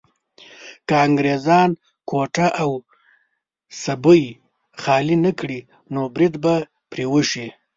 که انګريزان کوټه او سبۍ خالي نه کړي نو بريد به پرې وشي.